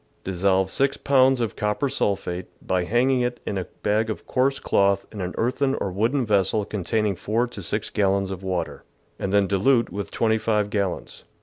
— Dissolve 6 pounds of copper sulphate, by hanging it in a bag of coarse cloth in an earthen or wooden vessel containing 4 to 6 gallons of water, and then dilute with 25 gallons.